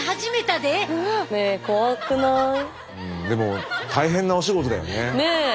でも大変なお仕事だよね。